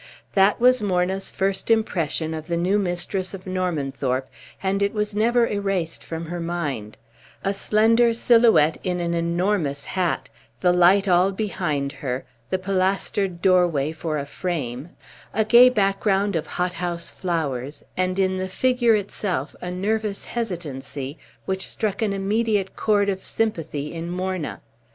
That was Morna's first impression of the new mistress of Normanthorpe, and it was never erased from her mind; a slender silhouette in an enormous hat, the light all behind her, the pilastered doorway for a frame, a gay background of hothouse flowers, and in the figure itself a nervous hesitancy which struck an immediate chord of sympathy in Morna.